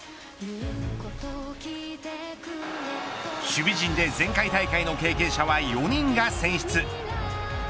守備陣で前回大会の経験者は４人が選出。